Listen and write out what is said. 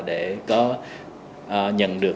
để có nhận được